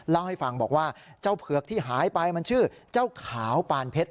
เล่าให้ฟังบอกว่าเจ้าเผือกที่หายไปมันชื่อเจ้าขาวปานเพชร